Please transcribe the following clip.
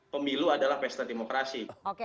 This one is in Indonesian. pemilu adalah pesta demokrasi